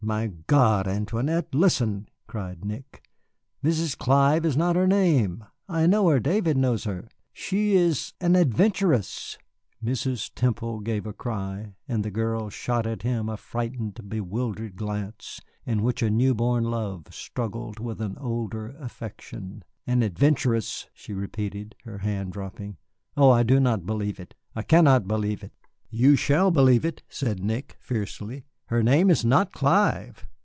"My God, Antoinette, listen!" cried Nick; "Mrs. Clive is not her name. I know her, David knows her. She is an adventuress!" Mrs. Temple gave a cry, and the girl shot at him a frightened, bewildered glance, in which a new born love struggled with an older affection. "An adventuress!" she repeated, her hand dropping, "oh, I do not believe it. I cannot believe it." "You shall believe it," said Nick, fiercely. "Her name is not Clive.